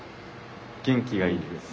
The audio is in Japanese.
元気がいいです。